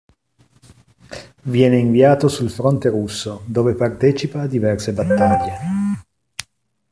Viene inviato sul fronte russo dove partecipa a diverse battaglie.